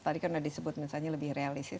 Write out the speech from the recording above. tadi karena disebut misalnya lebih realistis